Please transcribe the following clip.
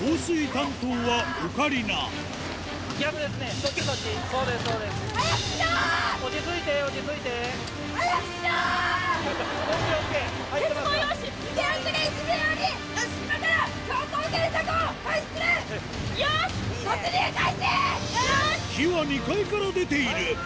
火は２階から出ている